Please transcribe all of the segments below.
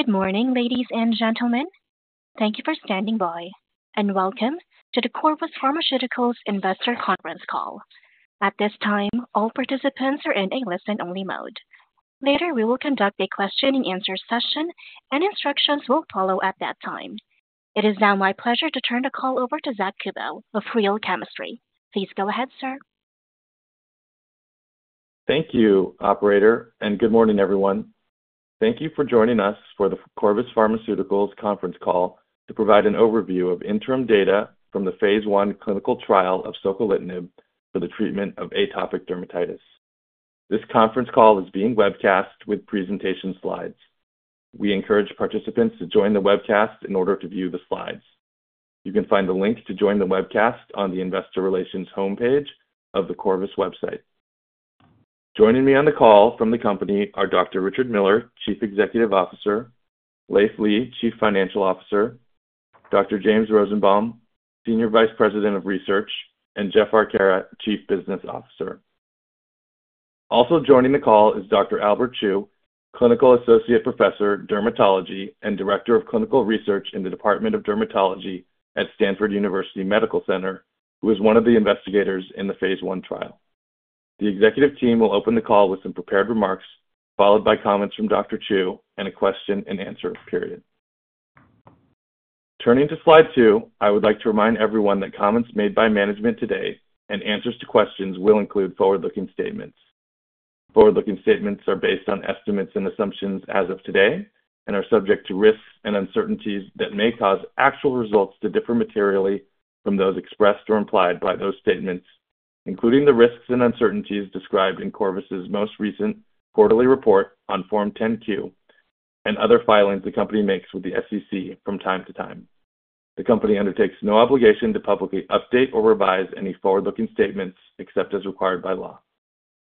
Good morning, ladies and gentlemen. Thank you for standing by, and welcome to the Corvus Pharmaceuticals Investor Conference Call. At this time, all participants are in a listen-only mode. Later, we will conduct a question-and-answer session, and instructions will follow at that time. It is now my pleasure to turn the call over to Zack Kubow of Real Chemistry. Please go ahead, sir. Thank you, Operator, and good morning, everyone. Thank you for joining us for the Corvus Pharmaceuticals Conference Call to provide an overview of interim data from the Phase I clinical trial of soquelitinib for the treatment of atopic dermatitis. This conference call is being webcast with presentation slides. We encourage participants to join the webcast in order to view the slides. You can find the link to join the webcast on the Investor Relations homepage of the Corvus website. Joining me on the call from the company are Dr. Richard Miller, Chief Executive Officer, Leiv Lea, Chief Financial Officer, Dr. James Rosenbaum, Senior Vice President of Research, and Jeff Arcara, Chief Business Officer. Also joining the call is Dr. Albert Chiou, Clinical Associate Professor of Dermatology and Director of Clinical Research in the Department of Dermatology at Stanford University Medical Center, who is one of the investigators in the Phase I trial. The executive team will open the call with some prepared remarks, followed by comments from Dr. Chiou and a question-and-answer period. Turning to Slide 2, I would like to remind everyone that comments made by management today and answers to questions will include forward-looking statements. Forward-looking statements are based on estimates and assumptions as of today and are subject to risks and uncertainties that may cause actual results to differ materially from those expressed or implied by those statements, including the risks and uncertainties described in Corvus's most recent quarterly report on Form 10-Q and other filings the company makes with the SEC from time to time. The company undertakes no obligation to publicly update or revise any forward-looking statements except as required by law.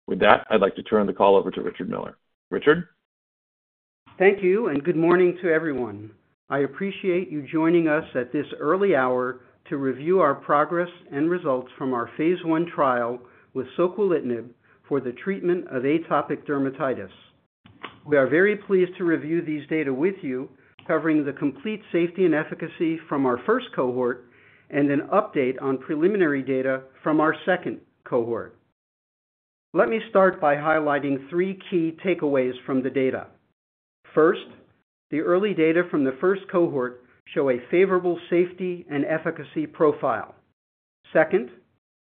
With that, I'd like to turn the call over to Richard Miller. Richard? Thank you, and good morning to everyone. I appreciate you joining us at this early hour to review our progress and results from our Phase I trial with soquelitinib for the treatment of atopic dermatitis. We are very pleased to review these data with you, covering the complete safety and efficacy from our first cohort and an update on preliminary data from our second cohort. Let me start by highlighting three key takeaways from the data. First, the early data from the first cohort show a favorable safety and efficacy profile. Second,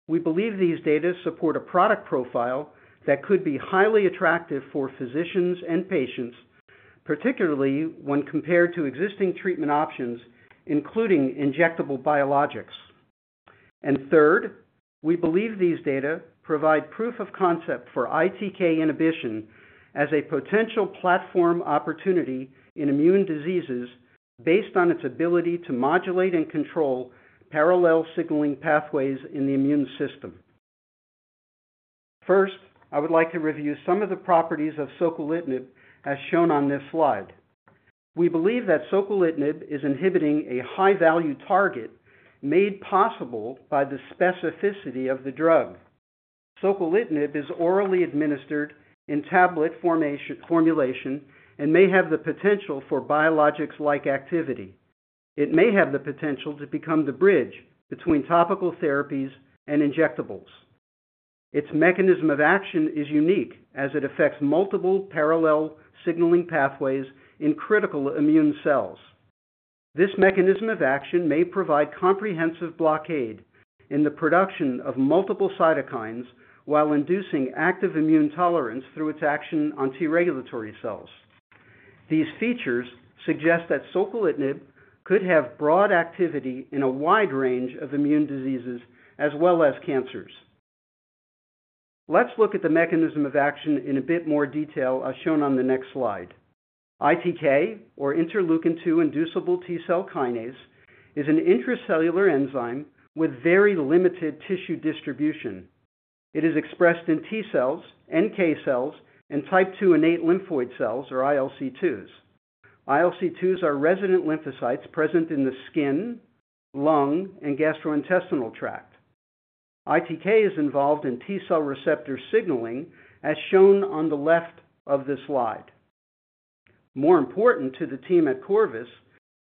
we believe these data support a product profile that could be highly attractive for physicians and patients, particularly when compared to existing treatment options, including injectable biologics. Third, we believe these data provide proof of concept for ITK inhibition as a potential platform opportunity in immune diseases based on its ability to modulate and control parallel signaling pathways in the immune system. First, I would like to review some of the properties of soquelitinib as shown on this slide. We believe that soquelitinib is inhibiting a high-value target made possible by the specificity of the drug. soquelitinib is orally administered in tablet formulation and may have the potential for biologics-like activity. It may have the potential to become the bridge between topical therapies and injectables. Its mechanism of action is unique as it affects multiple parallel signaling pathways in critical immune cells. This mechanism of action may provide comprehensive blockade in the production of multiple cytokines while inducing active immune tolerance through its action on T regulatory cells. These features suggest that soquelitinib could have broad activity in a wide range of immune diseases as well as cancers. Let's look at the mechanism of action in a bit more detail as shown on the next slide. ITK, or interleukin-2 inducible T cell kinase, is an intracellular enzyme with very limited tissue distribution. It is expressed in T cells, NK cells, and type 2 innate lymphoid cells, or ILC2s. ILC2s are resident lymphocytes present in the skin, lung, and gastrointestinal tract. ITK is involved in T cell receptor signaling, as shown on the left of this slide. More important to the team at Corvus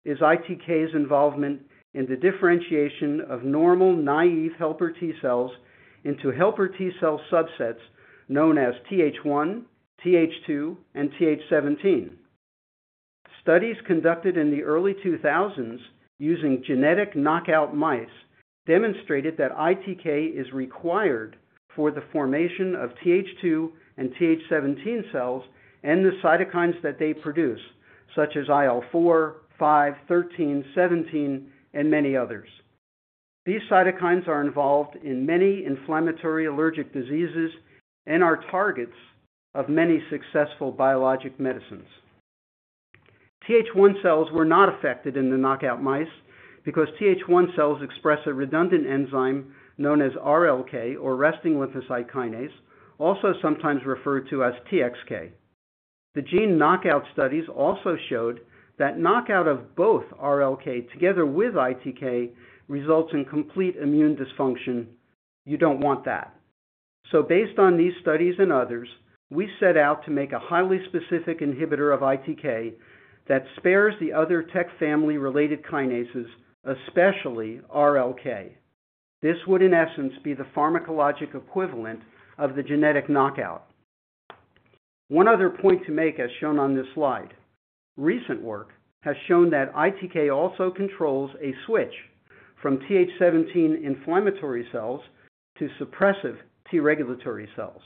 is ITK's involvement in the differentiation of normal naive helper T cells into helper T cell subsets known as Th1, Th2, and Th17. Studies conducted in the early 2000s using genetic knockout mice demonstrated that ITK is required for the formation of Th2 and Th17 cells and the cytokines that they produce, such as IL-4, IL-5, IL-13, IL-17, and many others. These cytokines are involved in many inflammatory allergic diseases and are targets of many successful biologic medicines. Th1 cells were not affected in the knockout mice because Th1 cells express a redundant enzyme known as RLK, or resting lymphocyte kinase, also sometimes referred to as TXK. The gene knockout studies also showed that knockout of both RLK together with ITK results in complete immune dysfunction. You don't want that. So based on these studies and others, we set out to make a highly specific inhibitor of ITK that spares the other TEC family-related kinases, especially RLK. This would, in essence, be the pharmacologic equivalent of the genetic knockout. One other point to make as shown on this slide. Recent work has shown that ITK also controls a switch from Th17 inflammatory cells to suppressive T regulatory cells.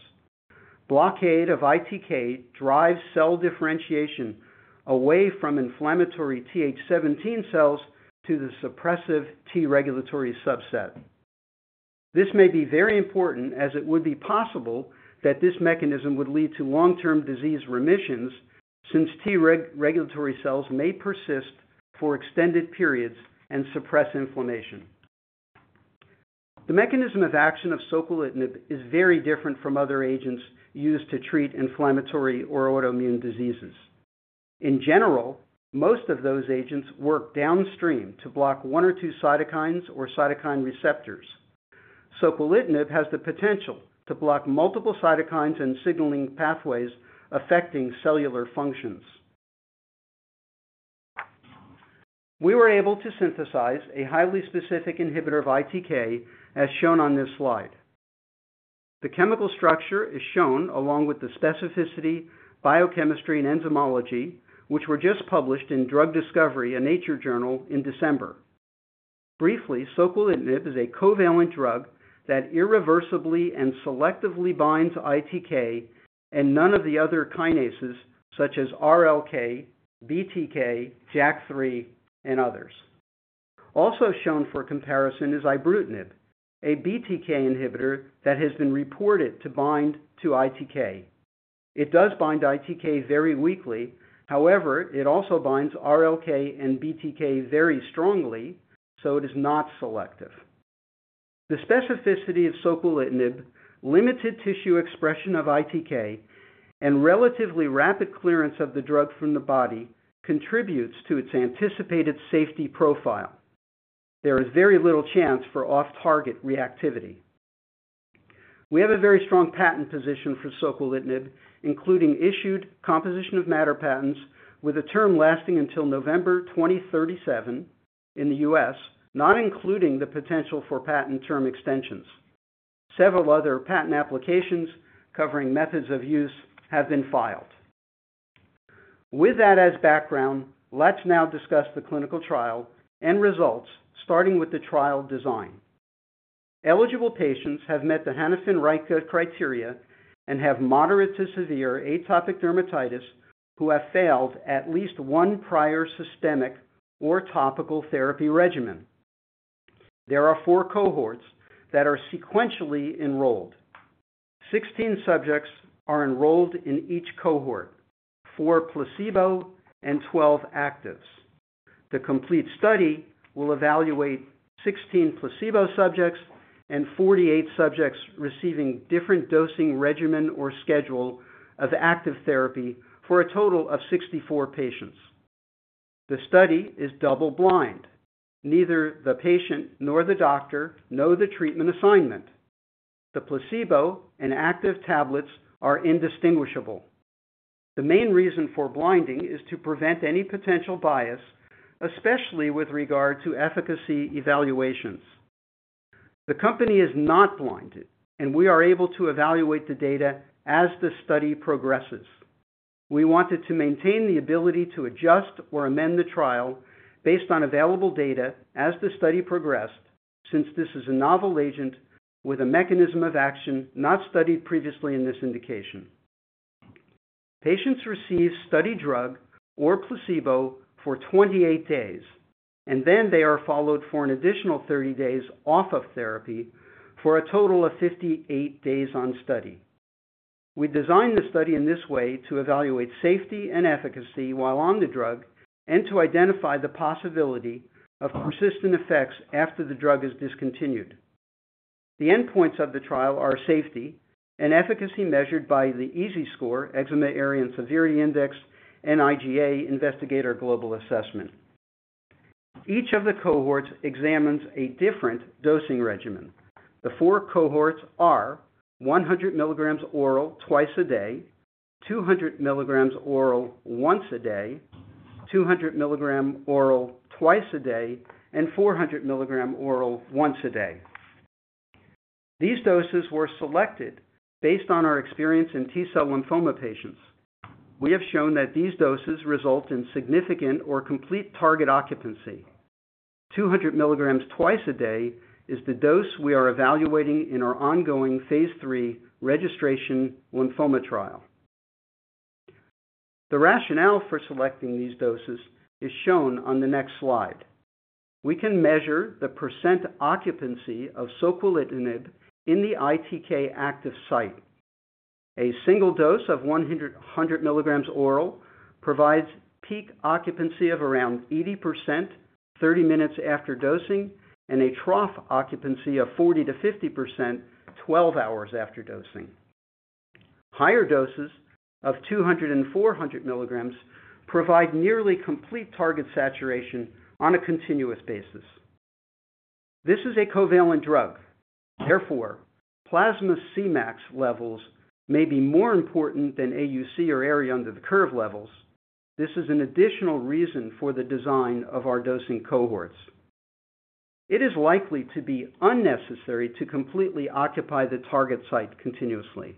Blockade of ITK drives cell differentiation away from inflammatory Th17 cells to the suppressive T regulatory subset. This may be very important as it would be possible that this mechanism would lead to long-term disease remissions since T regulatory cells may persist for extended periods and suppress inflammation. The mechanism of action of soquelitinib is very different from other agents used to treat inflammatory or autoimmune diseases. In general, most of those agents work downstream to block one or two cytokines or cytokine receptors. soquelitinib has the potential to block multiple cytokines and signaling pathways affecting cellular functions. We were able to synthesize a highly specific inhibitor of ITK as shown on this slide. The chemical structure is shown along with the specificity, biochemistry, and enzymology, which were just published in Drug Discovery, a Nature journal in December. Briefly, soquelitinib is a covalent drug that irreversibly and selectively binds ITK and none of the other kinases such as RLK, BTK, JAK3, and others. Also shown for comparison is ibrutinib, a BTK inhibitor that has been reported to bind to ITK. It does bind ITK very weakly; however, it also binds RLK and BTK very strongly, so it is not selective. The specificity of soquelitinib, limited tissue expression of ITK, and relatively rapid clearance of the drug from the body contributes to its anticipated safety profile. There is very little chance for off-target reactivity. We have a very strong patent position for soquelitinib, including issued composition of matter patents with a term lasting until November 2037 in the U.S., not including the potential for patent term extensions. Several other patent applications covering methods of use have been filed. With that as background, let's now discuss the clinical trial and results, starting with the trial design. Eligible patients have met the Hanifin and Rajka criteria and have moderate to severe atopic dermatitis who have failed at least one prior systemic or topical therapy regimen. There are four cohorts that are sequentially enrolled. Sixteen subjects are enrolled in each cohort: four placebo and twelve actives. The complete study will evaluate sixteen placebo subjects and forty-eight subjects receiving different dosing regimen or schedule of active therapy for a total of sixty-four patients. The study is double-blind. Neither the patient nor the doctor know the treatment assignment. The placebo and active tablets are indistinguishable. The main reason for blinding is to prevent any potential bias, especially with regard to efficacy evaluations. The company is not blinded, and we are able to evaluate the data as the study progresses. We wanted to maintain the ability to adjust or amend the trial based on available data as the study progressed since this is a novel agent with a mechanism of action not studied previously in this indication. Patients receive study drug or placebo for twenty-eight days, and then they are followed for an additional thirty days off of therapy for a total of fifty-eight days on study. We designed the study in this way to evaluate safety and efficacy while on the drug and to identify the possibility of persistent effects after the drug is discontinued. The endpoints of the trial are safety and efficacy measured by the EASI score, eczema area and severity index, and IGA Investigator Global Assessment. Each of the cohorts examines a different dosing regimen. The four cohorts are 100 milligrams oral twice a day, 200 milligrams oral once a day, 200 milligrams oral twice a day, and 400 milligrams oral once a day. These doses were selected based on our experience in T cell lymphoma patients. We have shown that these doses result in significant or complete target occupancy. 200 milligrams twice a day is the dose we are evaluating in our ongoing Phase III registration lymphoma trial. The rationale for selecting these doses is shown on the next slide. We can measure the percent occupancy of soquelitinib in the ITK active site. A single dose of 100 milligrams oral provides peak occupancy of around 80% 30 minutes after dosing and a trough occupancy of 40-50% 12 hours after dosing. Higher doses of 200 and 400 milligrams provide nearly complete target saturation on a continuous basis. This is a covalent drug. Therefore, plasma Cmax levels may be more important than AUC or area under the curve levels. This is an additional reason for the design of our dosing cohorts. It is likely to be unnecessary to completely occupy the target site continuously.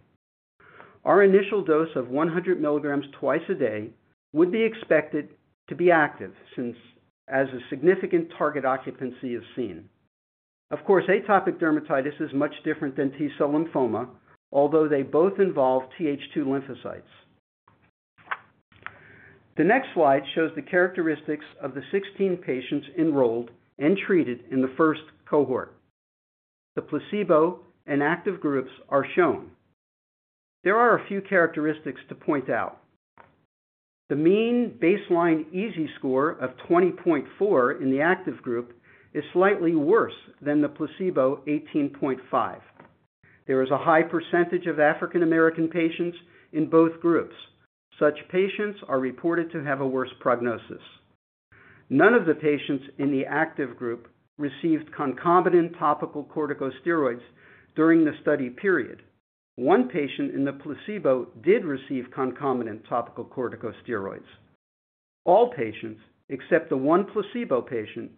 Our initial dose of 100 milligrams twice a day would be expected to be active since as a significant target occupancy is seen. Of course, atopic dermatitis is much different than T cell lymphoma, although they both involve Th2 lymphocytes. The next slide shows the characteristics of the 16 patients enrolled and treated in the first cohort. The placebo and active groups are shown. There are a few characteristics to point out. The mean baseline EASI score of 20.4 in the active group is slightly worse than the placebo 18.5. There is a high percentage of African American patients in both groups. Such patients are reported to have a worse prognosis. None of the patients in the active group received concomitant topical corticosteroids during the study period. One patient in the placebo did receive concomitant topical corticosteroids. All patients, except the one placebo patient,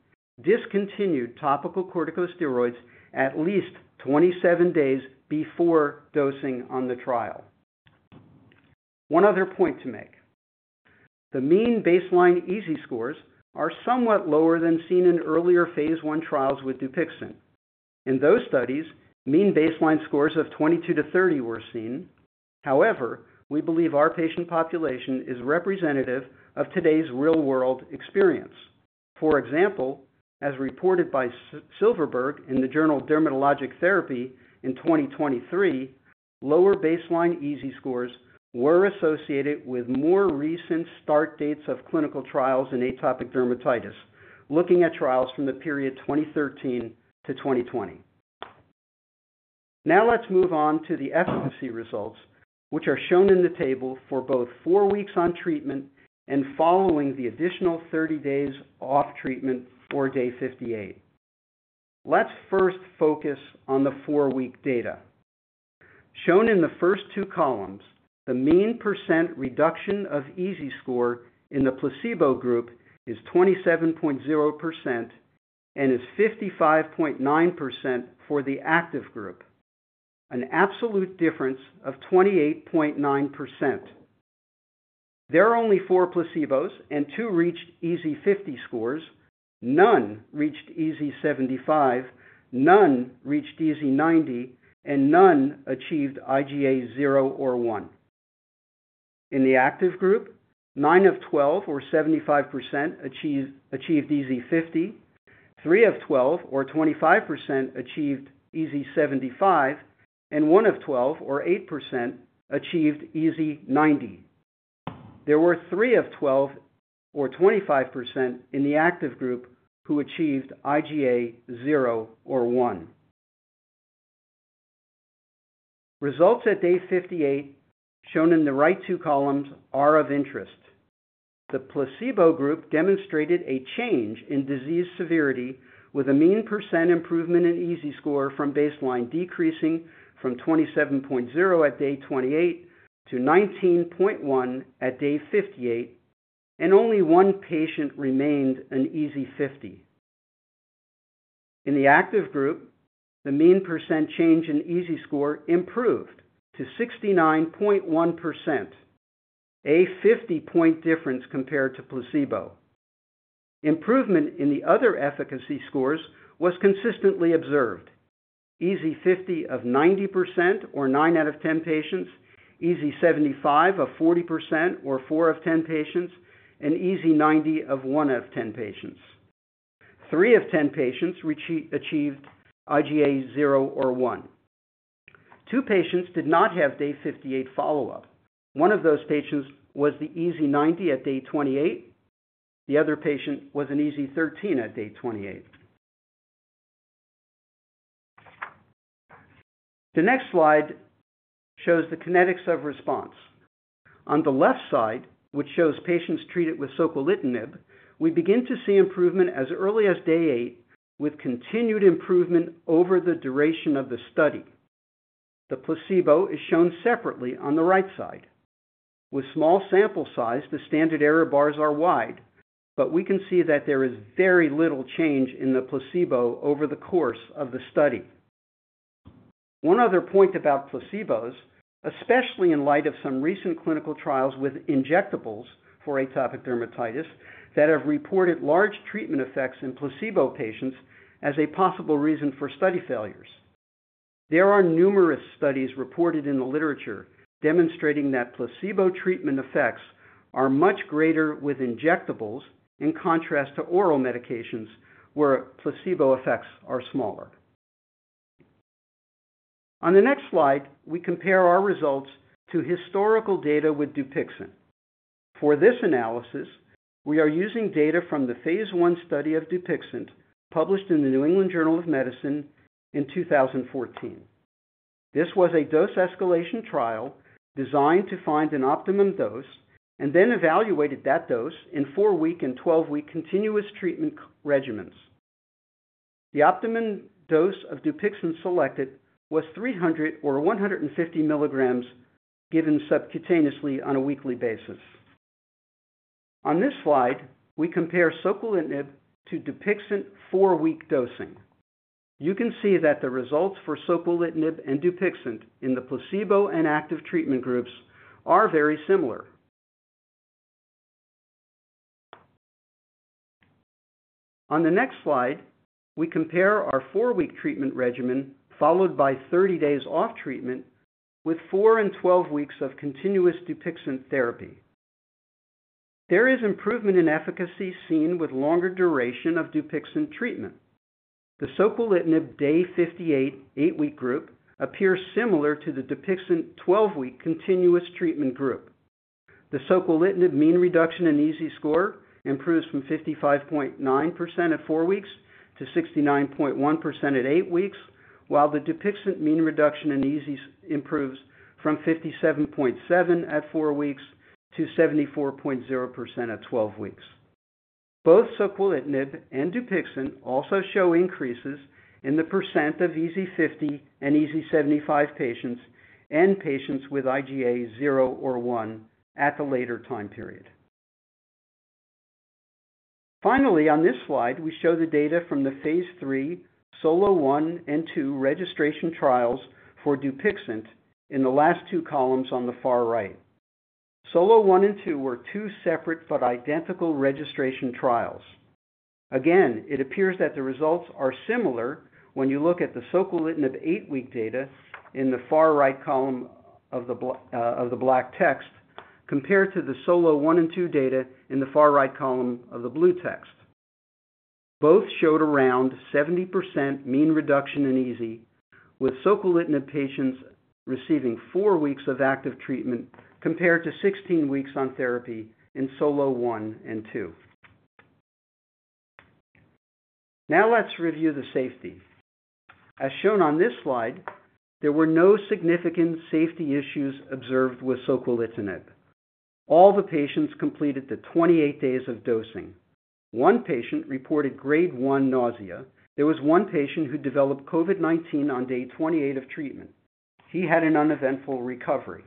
discontinued topical corticosteroids at least 27 days before dosing on the trial. One other point to make. The mean baseline EASI scores are somewhat lower than seen in earlier Phase I trials with Dupixent. In those studies, mean baseline scores of 22-30 were seen. However, we believe our patient population is representative of today's real-world experience. For example, as reported by Silverberg in the journal Dermatologic Therapy in 2023, lower baseline EASI scores were associated with more recent start dates of clinical trials in atopic dermatitis, looking at trials from the period 2013-2020. Now let's move on to the efficacy results, which are shown in the table for both four weeks on treatment and following the additional 30 days off treatment or day 58. Let's first focus on the four-week data. Shown in the first two columns, the mean percent reduction of EASI score in the placebo group is 27.0% and is 55.9% for the active group, an absolute difference of 28.9%. There are only 4 placebos and two reached EASI 50 scores. None reached EASI 75, none reached EASI 90, and none achieved IGA 0 or 1. In the active group, nine of 12 or 75% achieved EASI 50, three of 12 or 25% achieved EASI 75, and one of 12 or 8% achieved EASI 90. There were three of 12 or 25% in the active group who achieved IGA 0 or 1. Results at day 58 shown in the right two columns are of interest. The placebo group demonstrated a change in disease severity with a mean percent improvement in EASI score from baseline decreasing from 27.0 at day 28 to 19.1 at day 58, and only one patient remained an EASI 50. In the active group, the mean percent change in EASI score improved to 69.1%, a 50-point difference compared to placebo. Improvement in the other efficacy scores was consistently observed: EASI 50 of 90% or 9 out of 10 patients, EASI 75 of 40% or 4 of 10 patients, and EASI 90 of 10% or 1 out of 10 patients. 3 of 10 patients achieved IGA 0 or 1. 2 patients did not have day 58 follow-up. One of those patients was the EASI 90 at day 28. The other patient was an EASI 13 at day 28. The next slide shows the kinetics of response. On the left side, which shows patients treated with soquelitinib, we begin to see improvement as early as day 8, with continued improvement over the duration of the study. The placebo is shown separately on the right side. With small sample size, the standard error bars are wide, but we can see that there is very little change in the placebo over the course of the study. One other point about placebos, especially in light of some recent clinical trials with injectables for atopic dermatitis that have reported large treatment effects in placebo patients as a possible reason for study failures. There are numerous studies reported in the literature demonstrating that placebo treatment effects are much greater with injectables in contrast to oral medications where placebo effects are smaller. On the next slide, we compare our results to historical data with Dupixent. For this analysis, we are using data from the Phase I study of Dupixent published in the New England Journal of Medicine in 2014. This was a dose escalation trial designed to find an optimum dose and then evaluated that dose in four-week and 12-week continuous treatment regimens. The optimum dose of Dupixent selected was 300 or 150 milligrams given subcutaneously on a weekly basis. On this slide, we compare soquelitinib to Dupixent four-week dosing. You can see that the results for soquelitinib and Dupixent in the placebo and active treatment groups are very similar. On the next slide, we compare our four-week treatment regimen followed by 30 days off treatment with four and 12 weeks of continuous Dupixent therapy. There is improvement in efficacy seen with longer duration of Dupixent treatment. The soquelitinib day 58 eight-week group appears similar to the Dupixent 12-week continuous treatment group. The soquelitinib mean reduction in EASI score improves from 55.9% at four weeks to 69.1% at eight weeks, while the Dupixent mean reduction in EASI improves from 57.7% at four weeks to 74.0% at twelve weeks. Both soquelitinib and Dupixent also show increases in the percent of EASI 50 and EASI 75 patients and patients with IGA 0 or 1 at the later time period. Finally, on this slide, we show the data from the Phase III SOLO 1 and SOLO 2 registration trials for Dupixent in the last two columns on the far right. SOLO 1 and SOLO 2 were two separate but identical registration trials. Again, it appears that the results are similar when you look at the soquelitinib eight-week data in the far right column of the black text compared to the SOLO 1 and SOLO 2 data in the far right column of the blue text. Both showed around 70% mean reduction in EASI, with soquelitinib patients receiving four weeks of active treatment compared to 16 weeks on therapy in SOLO 1 and SOLO 2. Now let's review the safety. As shown on this slide, there were no significant safety issues observed with soquelitinib. All the patients completed the 28 days of dosing. One patient reported grade one nausea. There was one patient who developed COVID-19 on day 28 of treatment. He had an uneventful recovery.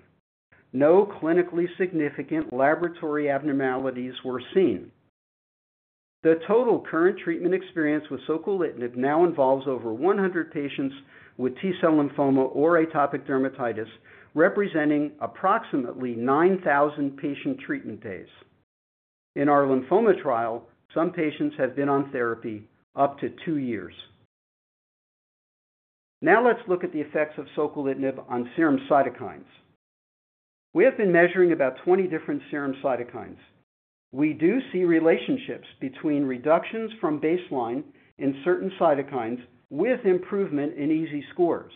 No clinically significant laboratory abnormalities were seen. The total current treatment experience with soquelitinib now involves over 100 patients with T cell lymphoma or atopic dermatitis, representing approximately 9,000 patient treatment days. In our lymphoma trial, some patients have been on therapy up to two years. Now let's look at the effects of soquelitinib on serum cytokines. We have been measuring about 20 different serum cytokines. We do see relationships between reductions from baseline in certain cytokines with improvement in EASI scores.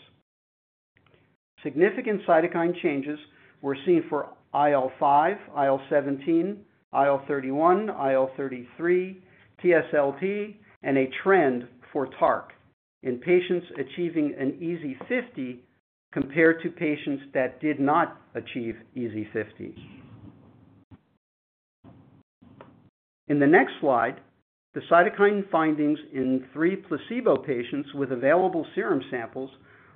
Significant cytokine changes were seen for IL-5, IL-17, IL-31, IL-33, TSLP, and a trend for TARC in patients achieving an EASI fifty compared to patients that did not achieve EASI fifty. In the next slide, the cytokine findings in three placebo patients with available serum samples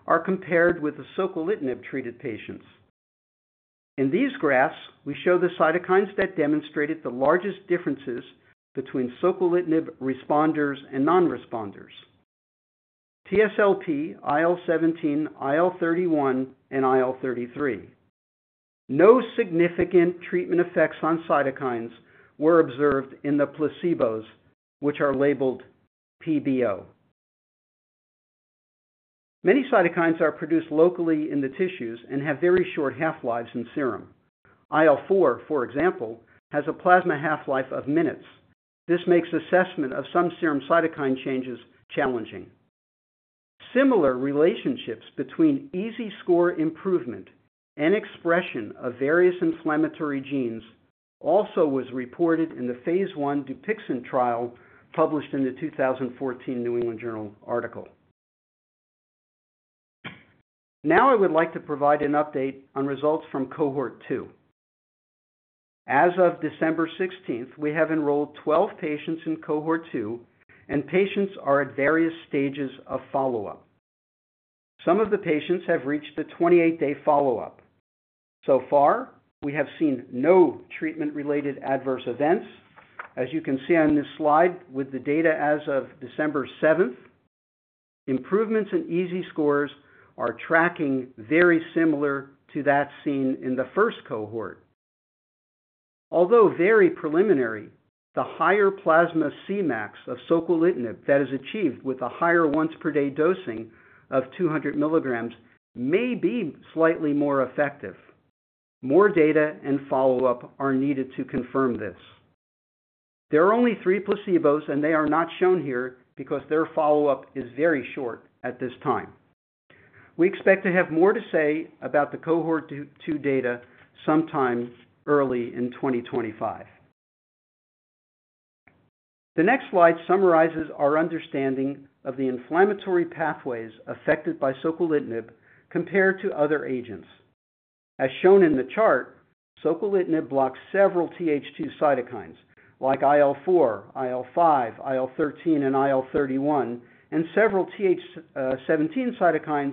are compared with the soquelitinib-treated patients. In these graphs, we show the cytokines that demonstrated the largest differences between soquelitinib responders and non-responders: TSLP, IL-17, IL-31, and IL-33. No significant treatment effects on cytokines were observed in the placebos, which are labeled PBO. Many cytokines are produced locally in the tissues and have very short half-lives in serum. IL-4, for example, has a plasma half-life of minutes. This makes assessment of some serum cytokine changes challenging. Similar relationships between EASI score improvement and expression of various inflammatory genes also were reported in the Phase I Dupixent trial published in the 2014 New England Journal of Medicine article. Now I would like to provide an update on results from Cohort II. As of December sixteenth, we have enrolled 12 patients in Cohort II, and patients are at various stages of follow-up. Some of the patients have reached the 28-day follow-up. So far, we have seen no treatment-related adverse events. As you can see on this slide with the data as of December seventh, improvements in EASI scores are tracking very similar to that seen in the first cohort. Although very preliminary, the higher plasma Cmax of soquelitinib that is achieved with the higher once-per-day dosing of 200 milligrams may be slightly more effective. More data and follow-up are needed to confirm this. There are only three placebos, and they are not shown here because their follow-up is very short at this time. We expect to have more to say about the Cohort II data sometime early in twenty twenty-five. The next slide summarizes our understanding of the inflammatory pathways affected by soquelitinib compared to other agents. As shown in the chart, soquelitinib blocks several Th2 cytokines like IL-4, IL-5, IL-13, and IL-31, and several TH17 cytokines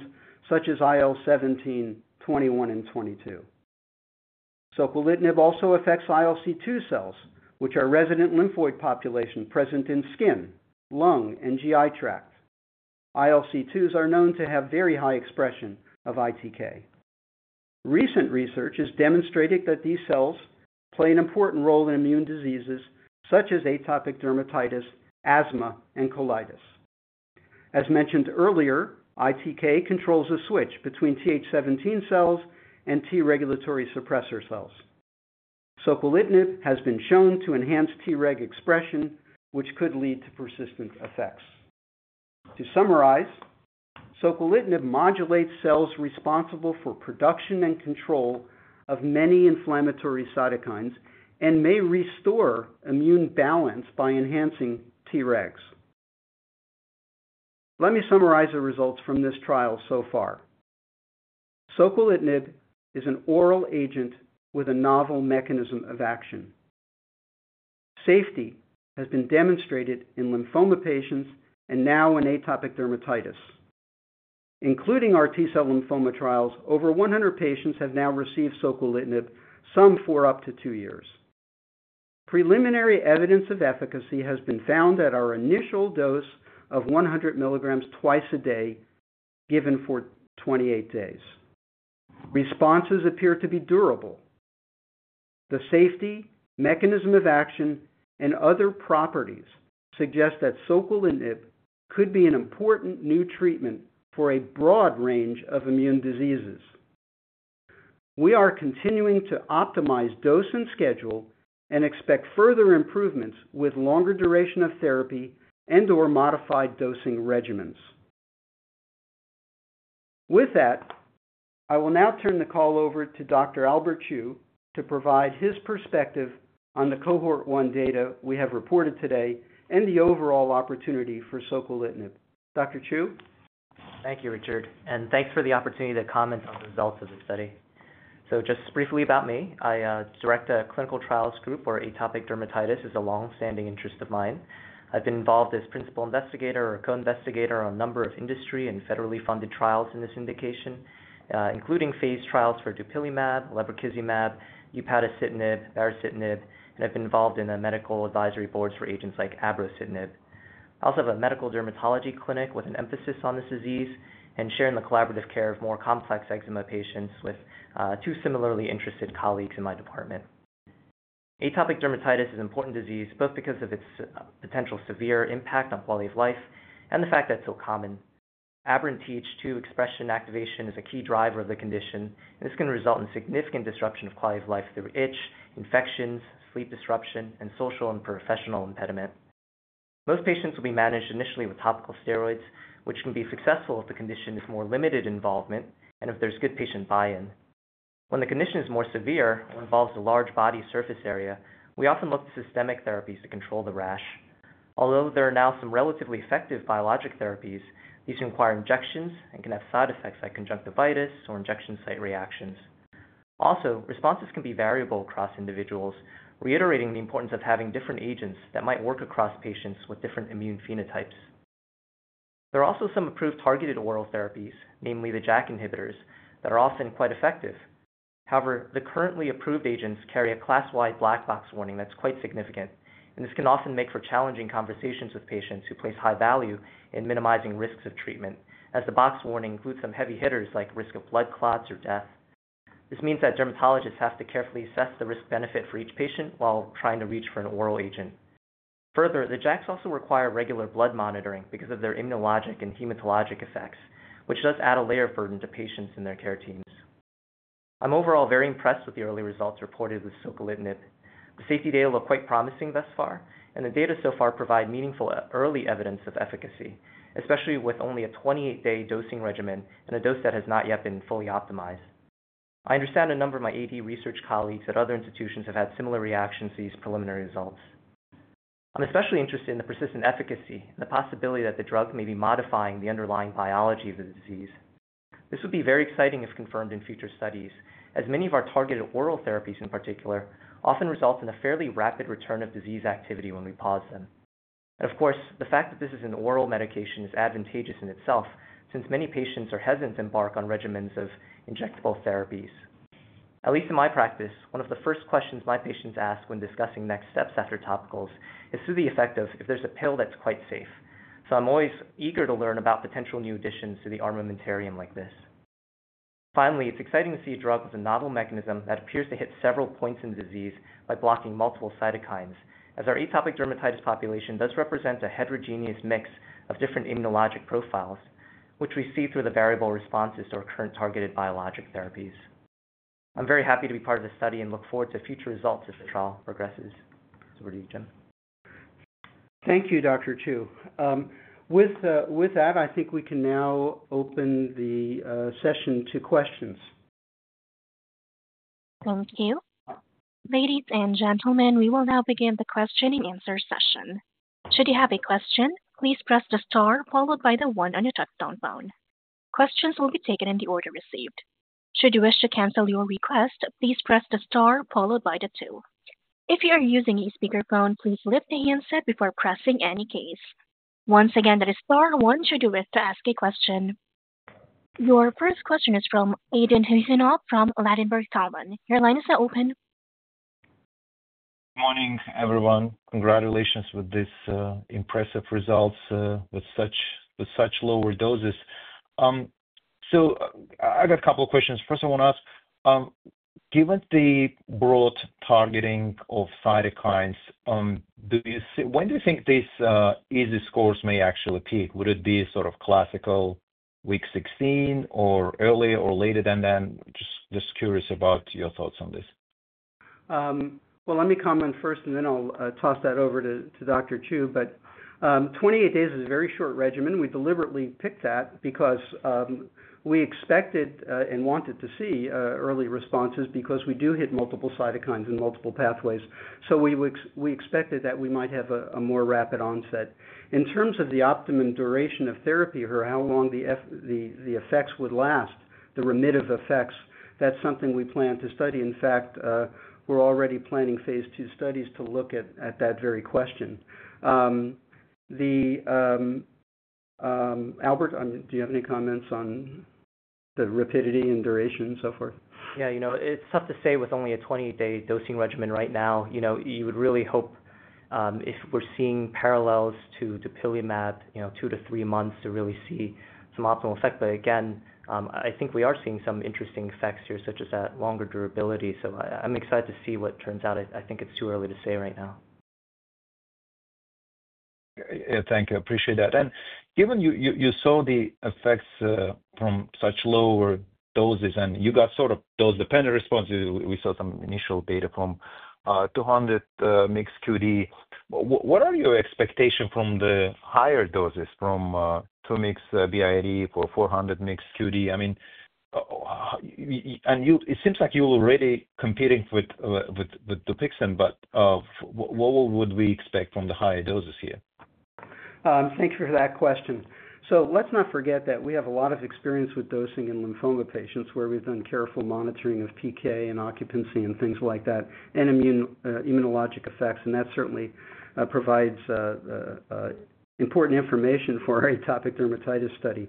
such as IL-17, IL-21, and IL-22. soquelitinib also affects ILC2 cells, which are resident lymphoid populations present in skin, lung, and GI tract. ILC2s are known to have very high expression of ITK. Recent research has demonstrated that these cells play an important role in immune diseases such as atopic dermatitis, asthma, and colitis. As mentioned earlier, ITK controls the switch between TH17 cells and T regulatory suppressor cells. soquelitinib has been shown to enhance Treg expression, which could lead to persistent effects. To summarize, soquelitinib modulates cells responsible for production and control of many inflammatory cytokines and may restore immune balance by enhancing Tregs. Let me summarize the results from this trial so far. soquelitinib is an oral agent with a novel mechanism of action. Safety has been demonstrated in lymphoma patients and now in atopic dermatitis. Including our T cell lymphoma trials, over 100 patients have now received soquelitinib, some for up to two years. Preliminary evidence of efficacy has been found at our initial dose of 100 milligrams twice a day given for 28 days. Responses appear to be durable. The safety, mechanism of action, and other properties suggest that soquelitinib could be an important new treatment for a broad range of immune diseases. We are continuing to optimize dose and schedule and expect further improvements with longer duration of therapy and/or modified dosing regimens. With that, I will now turn the call over to Dr. Albert Chiou to provide his perspective on the Cohort I data we have reported today and the overall opportunity for soquelitinib. Dr. Chiou? Thank you, Richard, and thanks for the opportunity to comment on the results of this study. So just briefly about me, I direct a clinical trials group where atopic dermatitis is a long-standing interest of mine. I've been involved as principal investigator or co-investigator on a number of industry and federally funded trials in this indication, including phase trials for Dupixent, lebrikizumab, upadacitinib, baricitinib, and I've been involved in the medical advisory boards for agents like abrocitinib. I also have a medical dermatology clinic with an emphasis on this disease and share in the collaborative care of more complex eczema patients with two similarly interested colleagues in my department. Atopic dermatitis is an important disease both because of its potential severe impact on quality of life and the fact that it's so common. Th2 expression activation is a key driver of the condition, and this can result in significant disruption of quality of life through itch, infections, sleep disruption, and social and professional impediment. Most patients will be managed initially with topical steroids, which can be successful if the condition is more limited involvement and if there's good patient buy-in. When the condition is more severe or involves a large body surface area, we often look to systemic therapies to control the rash. Although there are now some relatively effective biologic therapies, these require injections and can have side effects like conjunctivitis or injection site reactions. Also, responses can be variable across individuals, reiterating the importance of having different agents that might work across patients with different immune phenotypes. There are also some approved targeted oral therapies, namely the JAK inhibitors, that are often quite effective. However, the currently approved agents carry a class-wide black box warning that's quite significant, and this can often make for challenging conversations with patients who place high value in minimizing risks of treatment, as the box warning includes some heavy hitters like risk of blood clots or death. This means that dermatologists have to carefully assess the risk-benefit for each patient while trying to reach for an oral agent. Further, the JAKs also require regular blood monitoring because of their immunologic and hematologic effects, which does add a layer of burden to patients and their care teams. I'm overall very impressed with the early results reported with soquelitinib. The safety data look quite promising thus far, and the data so far provide meaningful early evidence of efficacy, especially with only a twenty-eight-day dosing regimen and a dose that has not yet been fully optimized. I understand a number of my AD research colleagues at other institutions have had similar reactions to these preliminary results. I'm especially interested in the persistent efficacy and the possibility that the drug may be modifying the underlying biology of the disease. This would be very exciting if confirmed in future studies, as many of our targeted oral therapies, in particular, often result in a fairly rapid return of disease activity when we pause them, and of course, the fact that this is an oral medication is advantageous in itself since many patients are hesitant to embark on regimens of injectable therapies. At least in my practice, one of the first questions my patients ask when discussing next steps after topicals is whether there's a pill that's quite safe, so I'm always eager to learn about potential new additions to the armamentarium like this. Finally, it's exciting to see a drug with a novel mechanism that appears to hit several points in the disease by blocking multiple cytokines, as our atopic dermatitis population does represent a heterogeneous mix of different immunologic profiles, which we see through the variable responses to our current targeted biologic therapies. I'm very happy to be part of this study and look forward to future results as the trial progresses. So over to you, Jim. Thank you, Dr. Chiou. With that, I think we can now open the session to questions. Thank you. Ladies and gentlemen, we will now begin the question and answer session. Should you have a question, please press the star followed by the one on your touch-tone phone. Questions will be taken in the order received. Should you wish to cancel your request, please press the star followed by the two. If you are using a speakerphone, please lift the handset before pressing any keys. Once again, that is star one should you wish to ask a question. Your first question is from Aydin Huseynov from Ladenburg Thalmann. Your line is now open. Good morning, everyone. Congratulations with these impressive results with such lower doses. So I've got a couple of questions. First, I want to ask, given the broad targeting of cytokines, when do you think these EASI scores may actually peak? Would it be sort of classical week 16 or earlier or later than then? Just curious about your thoughts on this. Well, let me comment first, and then I'll toss that over to Dr. Chiou. But 28 days is a very short regimen. We deliberately picked that because we expected and wanted to see early responses because we do hit multiple cytokines in multiple pathways. So we expected that we might have a more rapid onset. In terms of the optimum duration of therapy or how long the effects would last, the remitted effects, that's something we plan to study. In fact, we're already planning Phase II studies to look at that very question. Albert, do you have any comments on the rapidity and duration and so forth? Yeah, you know it's tough to say with only a twenty-eight-day dosing regimen right now. You would really hope if we're seeing parallels to dupilumab, you know, two to three months to really see some optimal effect. But again, I think we are seeing some interesting effects here such as that longer durability. So I'm excited to see what turns out. I think it's too early to say right now. Thank you. Appreciate that. Given you saw the effects from such lower doses and you got sort of those dose-dependent responses, we saw some initial data from 200 mg QD. What are your expectations from the higher doses from 200 mg BID for 400 mg QD? I mean, it seems like you're already competing with Dupixent, but what would we expect from the higher doses here? Thank you for that question. Let's not forget that we have a lot of experience with dosing in lymphoma patients where we've done careful monitoring of PK and occupancy and things like that and immunologic effects. And that certainly provides important information for our atopic dermatitis study.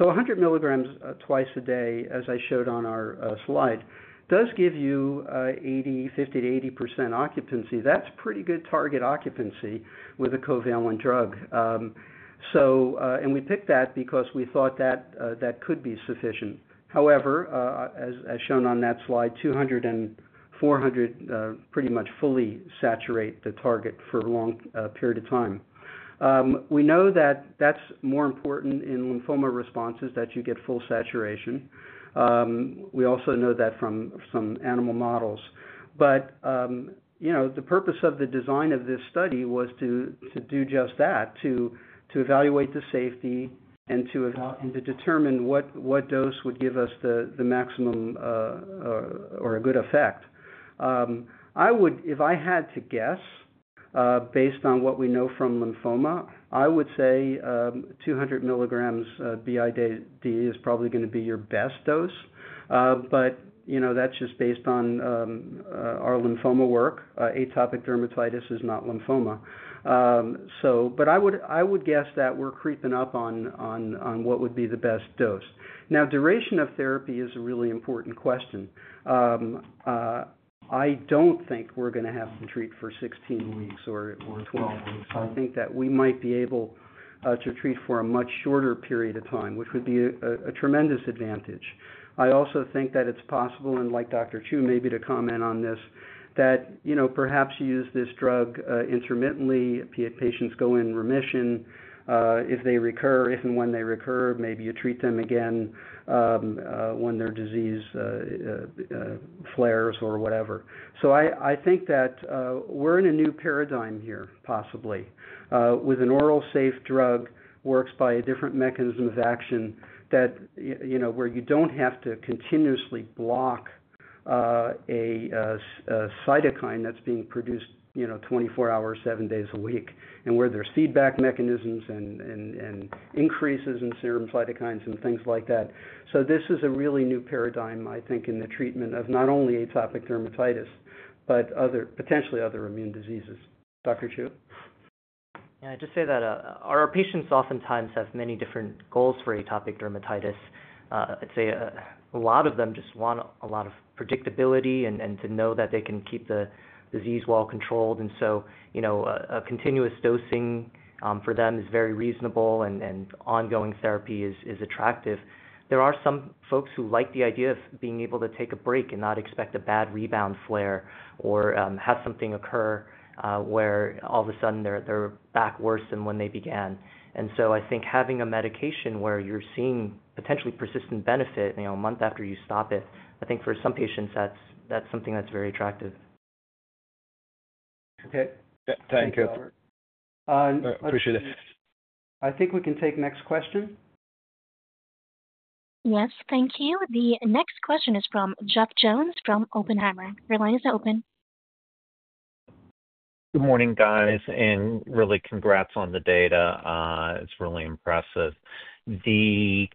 A hundred milligrams twice a day, as I showed on our slide, does give you 50%-80% occupancy. That's pretty good target occupancy with a covalent drug. And we picked that because we thought that that could be sufficient. However, as shown on that slide, 200 and 400 pretty much fully saturate the target for a long period of time. We know that that's more important in lymphoma responses that you get full saturation. We also know that from some animal models. But the purpose of the design of this study was to do just that, to evaluate the safety and to determine what dose would give us the maximum or a good effect. If I had to guess, based on what we know from lymphoma, I would say 200 milligrams BID is probably going to be your best dose. But that's just based on our lymphoma work. Atopic dermatitis is not lymphoma. But I would guess that we're creeping up on what would be the best dose. Now, duration of therapy is a really important question. I don't think we're going to have to treat for 16 weeks or 12 weeks. I think that we might be able to treat for a much shorter period of time, which would be a tremendous advantage. I also think that it's possible, and like Dr. Chiou maybe to comment on this, that perhaps you use this drug intermittently. Patients go in remission. If they recur, if and when they recur, maybe you treat them again when their disease flares or whatever. So I think that we're in a new paradigm here, possibly, with an oral safe drug that works by a different mechanism of action where you don't have to continuously block a cytokine that's being produced 24 hours, seven days a week, and where there's feedback mechanisms and increases in serum cytokines and things like that. So this is a really new paradigm, I think, in the treatment of not only atopic dermatitis but potentially other immune diseases. Dr. Chiou? Yeah, I'd just say that our patients oftentimes have many different goals for atopic dermatitis. I'd say a lot of them just want a lot of predictability and to know that they can keep the disease well controlled. And so a continuous dosing for them is very reasonable, and ongoing therapy is attractive. There are some folks who like the idea of being able to take a break and not expect a bad rebound flare or have something occur where all of a sudden they're back worse than when they began. And so I think having a medication where you're seeing potentially persistent benefit a month after you stop it, I think for some patients that's something that's very attractive. Okay. Thank you. Appreciate it. I think we can take the next question. Yes. Thank you. The next question is from Jeff Jones from Oppenheimer. Your line is now open. Good morning, guys, and really congrats on the data. It's really impressive. The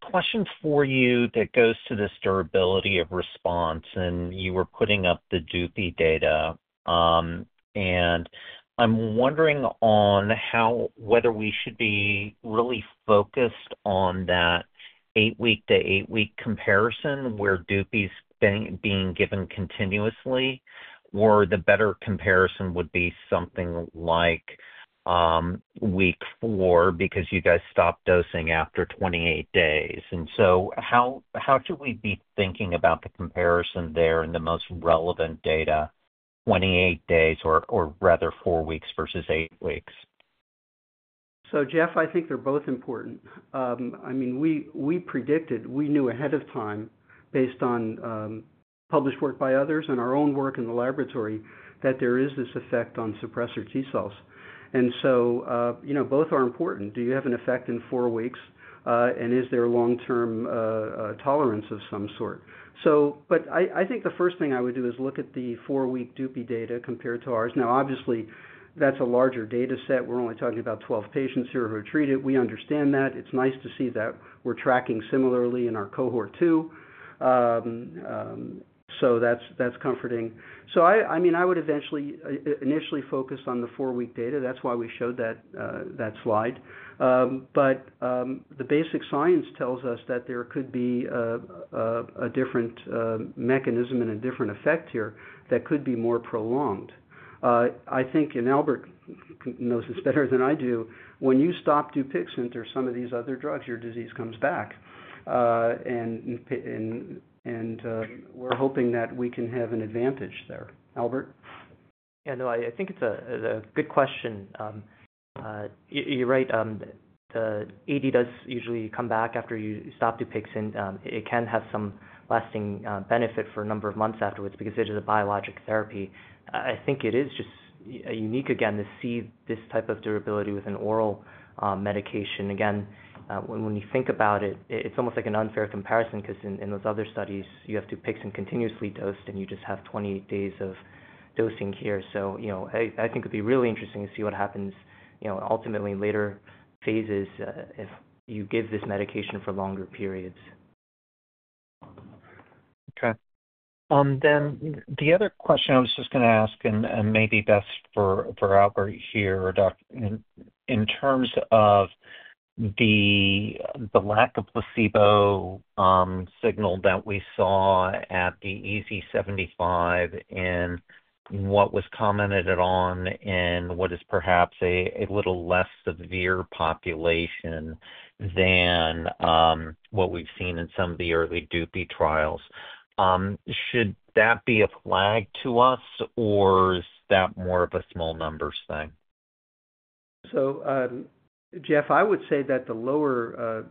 question for you that goes to this durability of response, and you were putting up the Dupi data. And I'm wondering on whether we should be really focused on that eight-week-to-eight-week comparison where Dupi's being given continuously or the better comparison would be something like week four because you guys stopped dosing after 28 days. And so how should we be thinking about the comparison there in the most relevant data, 28 days or rather four weeks versus eight weeks? So Jeff, I think they're both important. I mean, we predicted, we knew ahead of time based on published work by others and our own work in the laboratory that there is this effect on suppressor T cells. And so both are important. Do you have an effect in four weeks, and is there long-term tolerance of some sort? But I think the first thing I would do is look at the four-week Dupi data compared to ours. Now, obviously, that's a larger data set. We're only talking about 12 patients here who are treated. We understand that. It's nice to see that we're tracking similarly in our cohort two. So that's comforting. So I mean, I would eventually initially focus on the four-week data. That's why we showed that slide. But the basic science tells us that there could be a different mechanism and a different effect here that could be more prolonged. I think, and Albert knows this better than I do, when you stop Dupixent or some of these other drugs, your disease comes back. And we're hoping that we can have an advantage there. Albert? Yeah, no, I think it's a good question. You're right. The AD does usually come back after you stop Dupixent. It can have some lasting benefit for a number of months afterwards because it is a biologic therapy. I think it is just unique again to see this type of durability with an oral medication. Again, when you think about it, it's almost like an unfair comparison because in those other studies, you have Dupixent continuously dosed, and you just have 28 days of dosing here. So I think it'd be really interesting to see what happens ultimately in later phases if you give this medication for longer periods. Okay. Then the other question I was just going to ask, and maybe best for Albert here, in terms of the lack of placebo signal that we saw at the EASI 75 and what was commented on and what is perhaps a little less severe population than what we've seen in some of the early Dupixent trials, should that be a flag to us, or is that more of a small numbers thing? So Jeff, I would say that the lower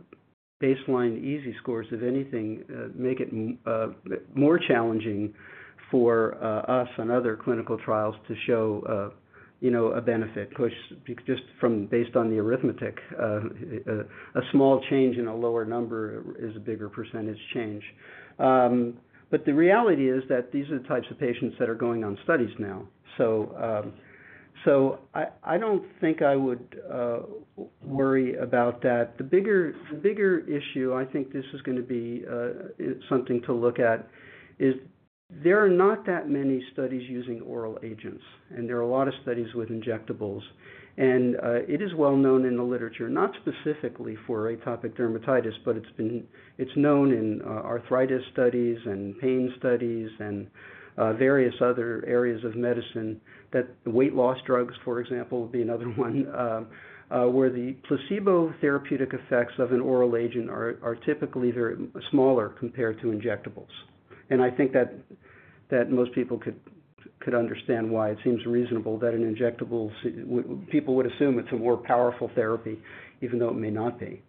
baseline EASI scores, if anything, make it more challenging for us and other clinical trials to show a benefit. Just based on the arithmetic, a small change in a lower number is a bigger percentage change. But the reality is that these are the types of patients that are going on studies now. So I don't think I would worry about that. The bigger issue, I think this is going to be something to look at, is there are not that many studies using oral agents. And there are a lot of studies with injectables. And it is well known in the literature, not specifically for atopic dermatitis, but it's known in arthritis studies and pain studies and various other areas of medicine. Weight loss drugs, for example, would be another one where the placebo therapeutic effects of an oral agent are typically smaller compared to injectables. And I think that most people could understand why it seems reasonable that in injectables, people would assume it's a more powerful therapy, even though it may not be.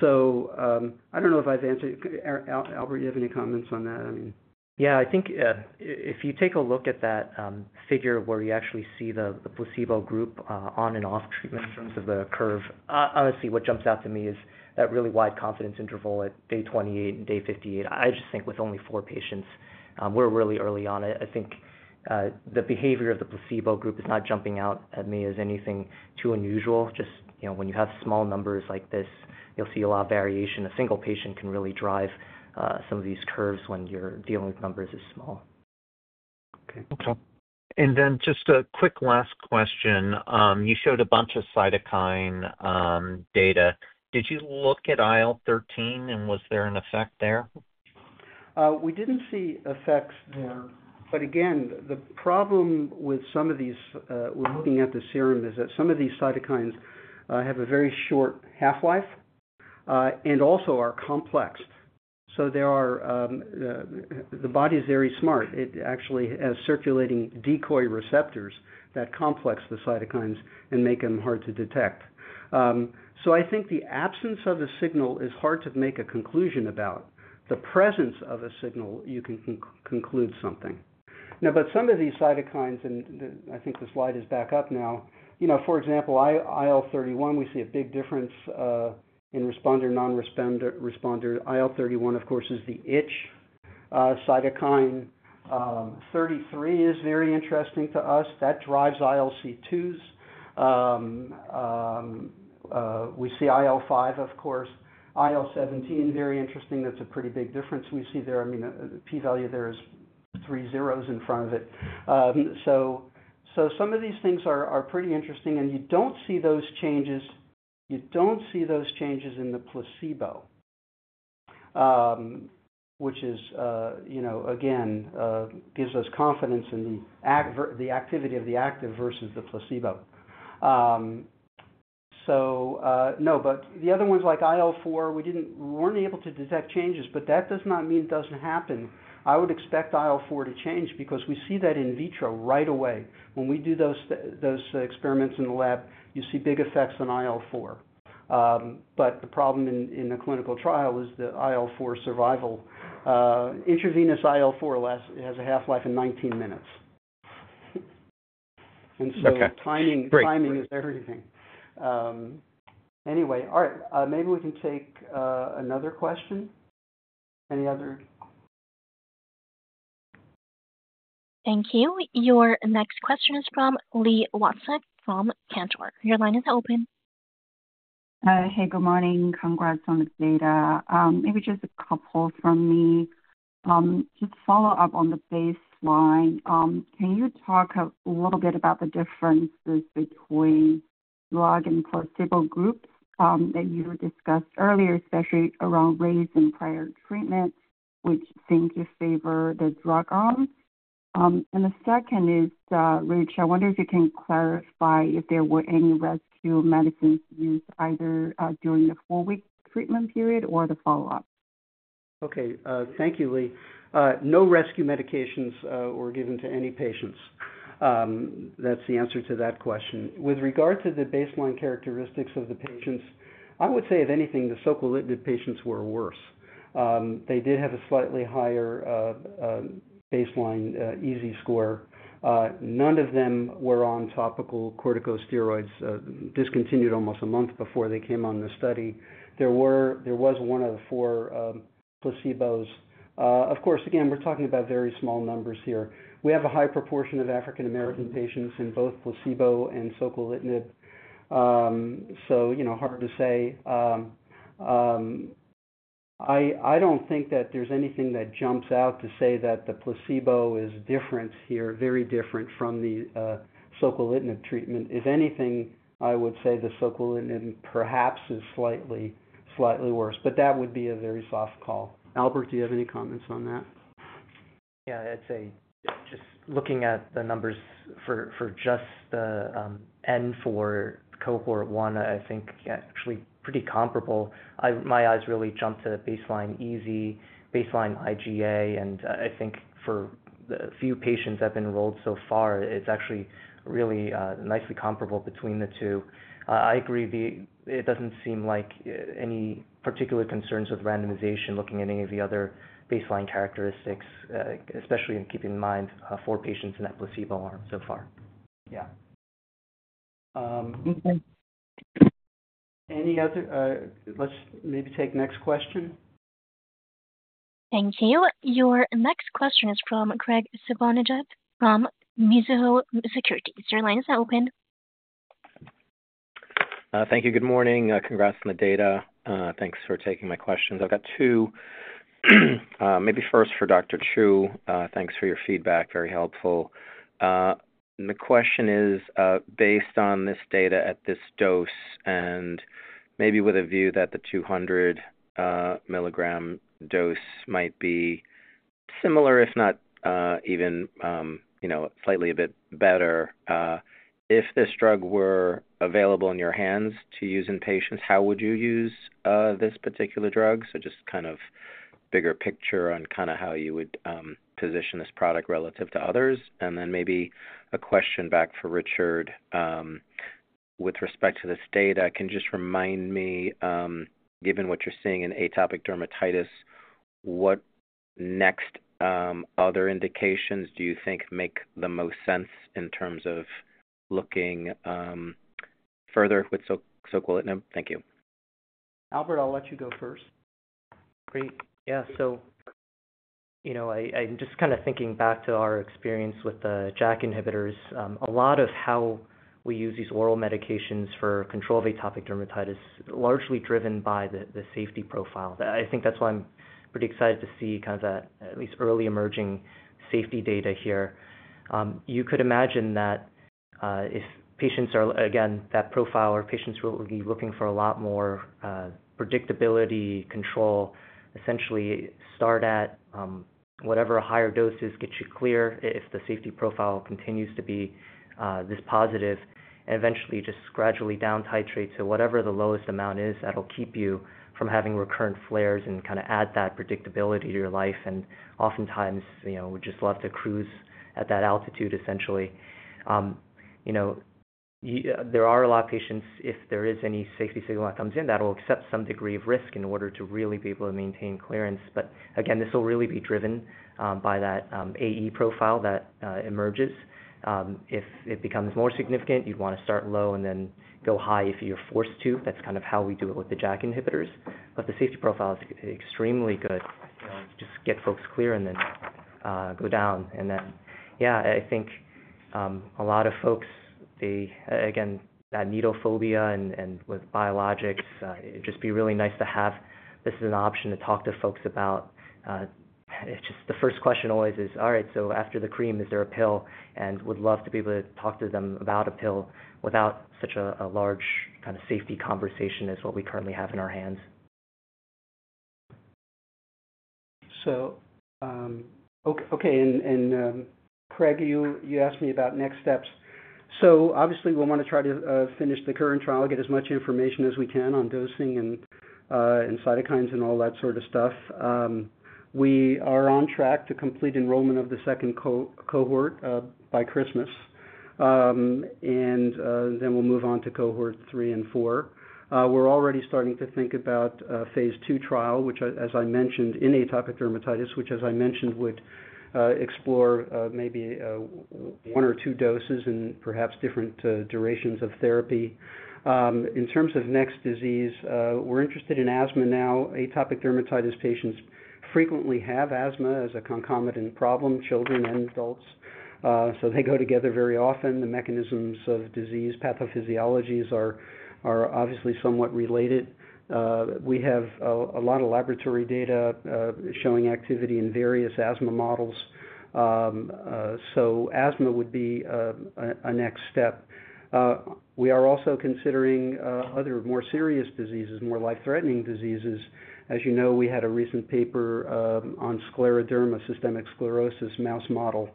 So I don't know if I've answered. Albert, do you have any comments on that? Yeah, I think if you take a look at that figure where you actually see the placebo group on and off treatment in terms of the curve, honestly, what jumps out to me is that really wide confidence interval at day 28 and day 58. I just think with only four patients, we're really early on. I think the behavior of the placebo group is not jumping out at me as anything too unusual. Just when you have small numbers like this, you'll see a lot of variation. A single patient can really drive some of these curves when you're dealing with numbers as small. Okay. And then just a quick last question. You showed a bunch of cytokine data. Did you look at IL-13, and was there an effect there? We didn't see effects there. But again, the problem with some of these we're looking at the serum is that some of these cytokines have a very short half-life and also are complex. So the body is very smart. It actually has circulating decoy receptors that complex the cytokines and make them hard to detect. So I think the absence of a signal is hard to make a conclusion about. The presence of a signal, you can conclude something. But some of these cytokines, and I think the slide is back up now, for example, IL-31, we see a big difference in responder-non-responder. IL-31, of course, is the itch cytokine. IL-33 is very interesting to us. That drives ILC2s. We see IL-5, of course. IL-17, very interesting. That's a pretty big difference we see there. I mean, the p-value there is three zeros in front of it. So some of these things are pretty interesting. And you don't see those changes. You don't see those changes in the placebo, which is, again, gives us confidence in the activity of the active versus the placebo. So no, but the other ones like IL-4, we weren't able to detect changes, but that does not mean it doesn't happen. I would expect IL-4 to change because we see that in vitro right away. When we do those experiments in the lab, you see big effects on IL-4. But the problem in a clinical trial is the IL-4 survival. Intravenous IL-4 has a half-life in 19 minutes. And so timing is everything. Anyway, all right. Maybe we can take another question. Any other? Thank you. Your next question is from Li Watsek from Cantor. Your line is now open. Hey, good morning. Congrats on the data. Maybe just a couple from me. Just follow up on the baseline. Can you talk a little bit about the differences between drug and placebo groups that you discussed earlier, especially around race and prior treatment, which seem to favor the drug arm? And the second is, Rich, I wonder if you can clarify if there were any rescue medicines used either during the four-week treatment period or the follow-up. Okay. Thank you, Lee. No rescue medications were given to any patients. That's the answer to that question. With regard to the baseline characteristics of the patients, I would say, if anything, the soquelitinib patients were worse. They did have a slightly higher baseline EASI score. None of them were on topical corticosteroids, discontinued almost a month before they came on the study. There was one of the four placebos. Of course, again, we're talking about very small numbers here. We have a high proportion of African-American patients in both placebo and soquelitinib. So hard to say. I don't think that there's anything that jumps out to say that the placebo is different here, very different from the soquelitinib treatment. If anything, I would say the soquelitinib perhaps is slightly worse, but that would be a very soft call. Albert, do you have any comments on that? Yeah, I'd say just looking at the numbers for just the N4 cohort one, I think actually pretty comparable. My eyes really jumped to baseline EASI, baseline IGA, and I think for the few patients I've enrolled so far, it's actually really nicely comparable between the two. I agree. It doesn't seem like any particular concerns with randomization looking at any of the other baseline characteristics, especially in keeping in mind four patients in that placebo arm so far. Yeah. Okay. Any other? Let's maybe take next question. Thank you. Your next question is from Graig Suvannavejh from Mizuho Securities. Your line is now open. Thank you. Good morning. Congrats on the data. Thanks for taking my questions. I've got two. Maybe first for Dr. Chiou. Thanks for your feedback. Very helpful. The question is based on this data at this dose and maybe with a view that the 200-milligram dose might be similar, if not even slightly a bit better. If this drug were available in your hands to use in patients, how would you use this particular drug? So just kind of bigger picture on kind of how you would position this product relative to others. And then maybe a question back for Richard with respect to this data. Can you just remind me, given what you're seeing in atopic dermatitis, what next other indications do you think make the most sense in terms of looking further with soquelitinib? Thank you. Albert, I'll let you go first. Great. Yeah. So I'm just kind of thinking back to our experience with the JAK inhibitors. A lot of how we use these oral medications for control of atopic dermatitis is largely driven by the safety profile. I think that's why I'm pretty excited to see kind of that at least early emerging safety data here. You could imagine that if patients are, again, that profile or patients will be looking for a lot more predictability, control, essentially start at whatever a higher dose is, get you clear if the safety profile continues to be this positive, and eventually just gradually down-titrate to whatever the lowest amount is that'll keep you from having recurrent flares and kind of add that predictability to your life. And oftentimes, we just love to cruise at that altitude, essentially. There are a lot of patients, if there is any safety signal that comes in, that will accept some degree of risk in order to really be able to maintain clearance. But again, this will really be driven by that AE profile that emerges. If it becomes more significant, you'd want to start low and then go high if you're forced to. That's kind of how we do it with the JAK inhibitors, but the safety profile is extremely good. Just get folks clear and then go down, and then, yeah, I think a lot of folks, again, that needle phobia and with biologics, it'd just be really nice to have this as an option to talk to folks about. Just the first question always is, "All right, so after the cream, is there a pill?" and would love to be able to talk to them about a pill without such a large kind of safety conversation as what we currently have in our hands. Okay, and Graig, you asked me about next steps, so obviously, we want to try to finish the current trial, get as much information as we can on dosing and cytokines and all that sort of stuff. We are on track to complete enrollment of the second cohort by Christmas, and then we'll move on to cohort three and four. We're already starting to think about Phase II trial, which, as I mentioned, in atopic dermatitis, which, as I mentioned, would explore maybe one or two doses and perhaps different durations of therapy. In terms of next disease, we're interested in asthma now. Atopic dermatitis patients frequently have asthma as a concomitant problem, children and adults. So they go together very often. The mechanisms of disease pathophysiologies are obviously somewhat related. We have a lot of laboratory data showing activity in various asthma models. So asthma would be a next step. We are also considering other more serious diseases, more life-threatening diseases. As you know, we had a recent paper on scleroderma, systemic sclerosis, mouse model,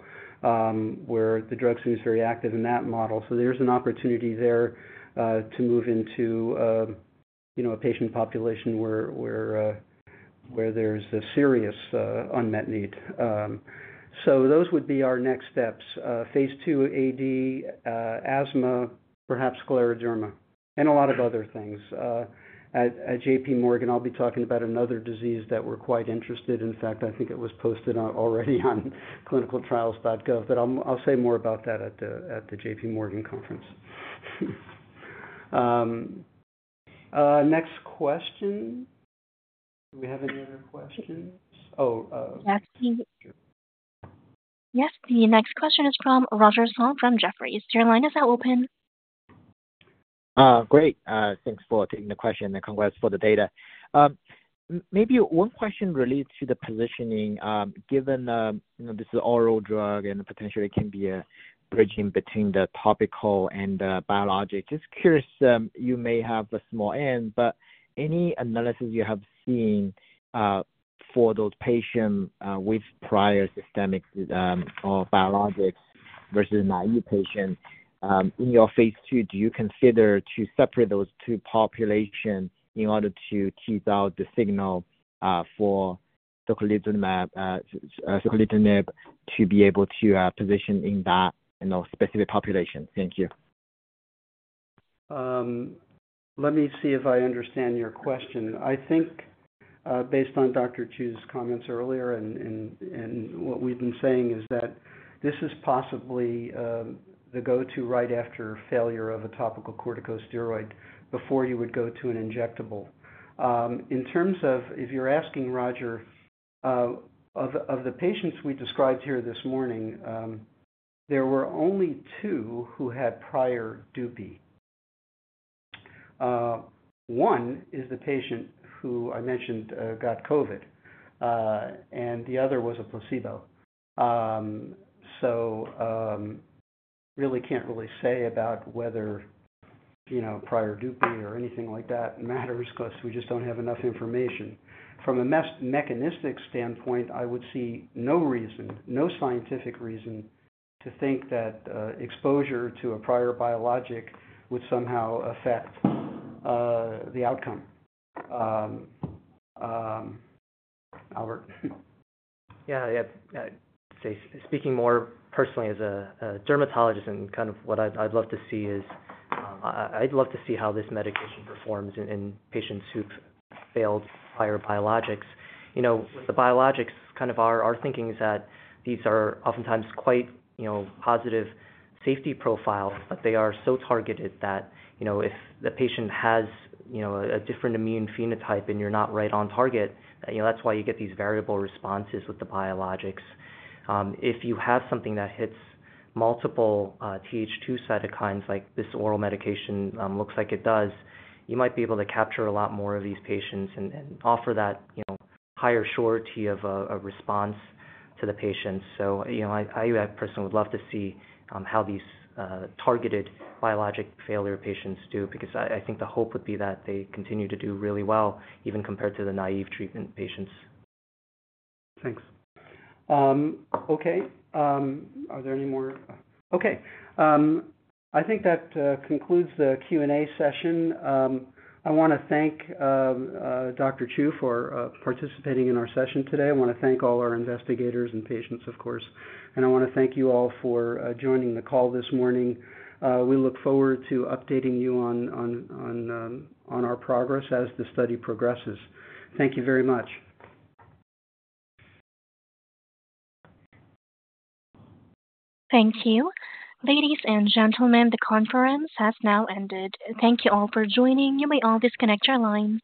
where the drug seems very active in that model. So there's an opportunity there to move into a patient population where there's a serious unmet need. So those would be our next steps. Phase II AD, asthma, perhaps scleroderma, and a lot of other things. At JPMorgan, I'll be talking about another disease that we're quite interested in. In fact, I think it was posted already on ClinicalTrials.gov, but I'll say more about that at the JPMorgan conference. Next question. Do we have any other questions? Oh. Yes. The next question is from Roger Song from Jefferies. Your line is now open. Great. Thanks for taking the question and congrats for the data. Maybe one question related to the positioning. Given this is an oral drug and potentially can be a bridging between the topical and biologic, just curious, you may have a small n, but any analysis you have seen for those patients with prior systemic or biologics versus a new patient in your Phase II, do you consider to separate those two populations in order to tease out the signal for soquelitinib to be able to position in that specific population? Thank you. Let me see if I understand your question. I think based on Dr. Chiou's comments earlier and what we've been saying is that this is possibly the go-to right after failure of a topical corticosteroid before you would go to an injectable. In terms of if you're asking Roger, of the patients we described here this morning, there were only two who had prior Dupixent. One is the patient who I mentioned got COVID, and the other was a placebo. So really can't say about whether prior Dupixent or anything like that matters because we just don't have enough information. From a mechanistic standpoint, I would see no reason, no scientific reason to think that exposure to a prior biologic would somehow affect the outcome. Albert. Yeah. Speaking more personally as a dermatologist and kind of what I'd love to see is I'd love to see how this medication performs in patients who've failed prior biologics. With the biologics, kind of our thinking is that these are oftentimes quite positive safety profiles, but they are so targeted that if the patient has a different immune phenotype and you're not right on target, that's why you get these variable responses with the biologics. If you have something that hits multiple Th2 cytokines like this oral medication looks like it does, you might be able to capture a lot more of these patients and offer that higher surety of a response to the patients. So I personally would love to see how these targeted biologic failure patients do because I think the hope would be that they continue to do really well even compared to the naive treatment patients. Thanks. Okay. Are there any more? Okay. I think that concludes the Q&A session. I want to thank Dr. Chiou for participating in our session today. I want to thank all our investigators and patients, of course. And I want to thank you all for joining the call this morning. We look forward to updating you on our progress as the study progresses. Thank you very much. Thank you. Ladies and gentlemen, the conference has now ended. Thank you all for joining. You may all disconnect your line.